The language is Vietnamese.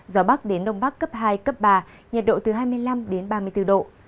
gió bắc đến đông bắc cấp hai cấp ba nhiệt độ từ hai mươi năm đến ba mươi bốn độ